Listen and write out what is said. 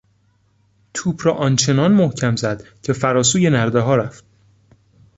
توپ را آنچنان محکم زد که فراسوی نردهها رفت.